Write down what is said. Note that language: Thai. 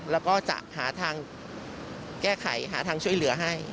แล้วก็จะหาทางแก้ไขหาทางช่วยเหลือให้